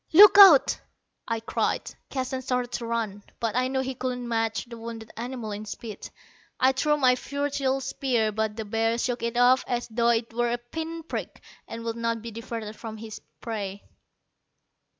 "Look out!" I cried. Keston started to run, but I knew he could not match the wounded animal in speed. I threw my futile spear, but the bear shook it off as though it were a pin prick, and would not be diverted from his prey.